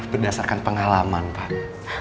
berdasarkan pengalaman pak